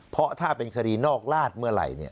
เพราะถ้าเป็นคดีนอกราชเมื่อไหร่